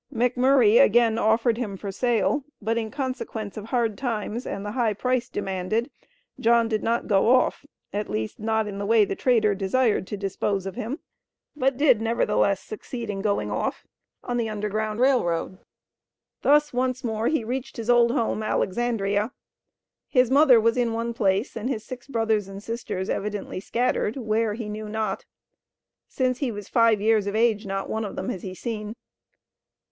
McMurray again offered him for sale, but in consequence of hard times and the high price demanded, John did not go off, at least not in the way the trader desired to dispose of him, but did, nevertheless, succeed in going off on the Underground Rail Road. Thus once more he reached his old home, Alexandria. His mother was in one place, and his six brothers and sisters evidently scattered, where he knew not. Since he was five years of age, not one of them had he seen.